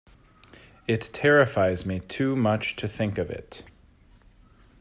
It terrifies me too much to think of it.